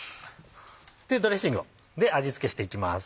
ドレッシングで味付けしていきます。